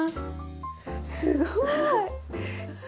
すごい！